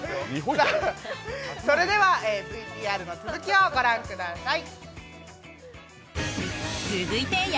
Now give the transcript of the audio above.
それではＶＴＲの続きをご覧ください。